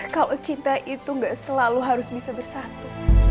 kalau cinta itu gak selalu harus bisa bersatu